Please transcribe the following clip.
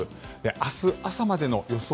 明日朝までの予想